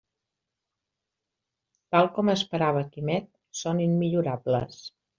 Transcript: Tal com esperava Quimet, són immillorables.